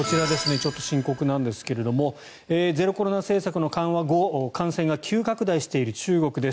ちょっと深刻なんですがゼロコロナ政策の緩和後、感染が急拡大している中国です。